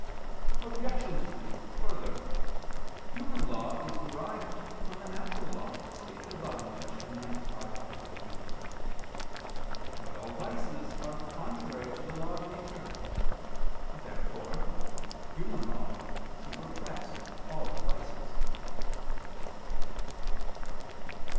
Obj. 3: Further, human law is derived from the natural law, as stated above (Q. 95, A. 2). But all vices are contrary to the law of nature. Therefore human law should repress all vices.